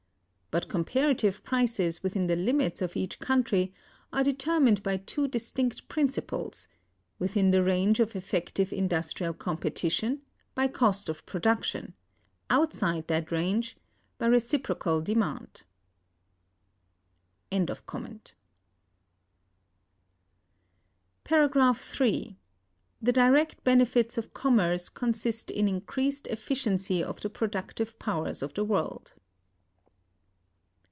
But comparative prices within the limits of each country are determined by two distinct principles—within the range of effective industrial competition, by cost of production; outside that range, by reciprocal demand."(265) § 3. The direct benefits of commerce consist in increased Efficiency of the productive powers of the World.